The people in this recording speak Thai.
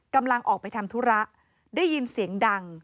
กำลังออกไปทำธุระได้ยินเสียงดัง